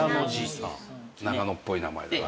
長野っぽい名前だなあ。